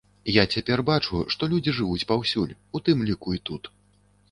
Я цяпер бачу, што людзі жывуць паўсюль, у тым ліку і тут.